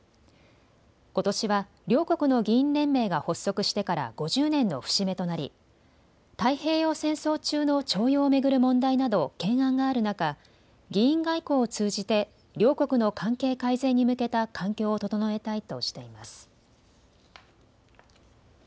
ことしは両国の議員連盟が発足してから５０年の節目となり太平洋戦争中の徴用を巡る問題など懸案がある中、議員外交を通じて両国の関係改善に向けた環境を整えたいとしています。